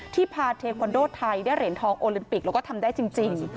ที่พาเทคอนโดไทยได้เหรียญทองโอลิมปิกแล้วก็ทำได้จริง